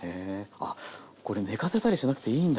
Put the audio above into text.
あっこれ寝かせたりしなくていいんだ。